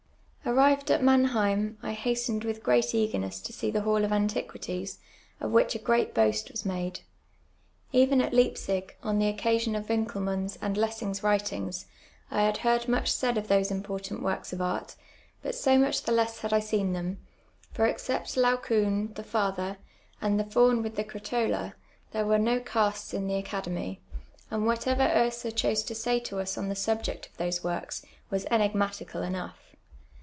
Arrived at Mannheim, I hastened with ^eat caf^emcRS to see the hall of luiticiuities, of which a ^cat boast was made. iiveu at Leijv.ijj^, on the occasion of Winckelmann's and Lessini^'s writings, I had heard much said of those impor tant works of ai*t, but so much the less had I seen them, for except Laocoon, the father, and the Faun with the crotola, there were no casts in the academy, and whatever Oeser chose to say to ils on the subject of those works, was enigma tical enough.